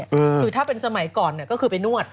คือถ้าเป็นสมัยก่อนเนี่ยก็คือไปนวด